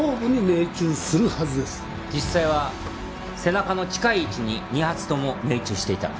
実際は背中の近い位置に２発とも命中していた。